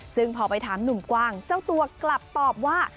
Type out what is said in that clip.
ซึ่งพอไปถามหนุ่มกว้างเจ้าตัวกลับตอบว่า